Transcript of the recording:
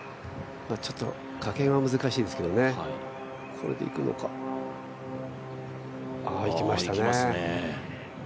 ちょっと加減は難しいですけどね、これでいくのかいきましたね。